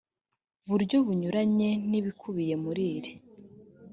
buryo bunyuranye n ibikubiye muri iri